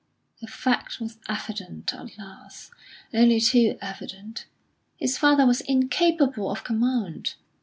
The fact was evident alas! only too evident his father was incapable of command.